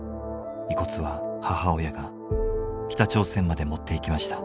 遺骨は母親が北朝鮮まで持って行きました。